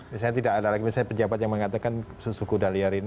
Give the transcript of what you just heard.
misalnya tidak ada lagi misalnya pejabat yang mengatakan susuku daliar ini